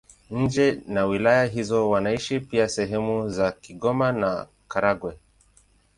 Nje na wilaya hizo wanaishi pia sehemu za Kigoma na Karagwe.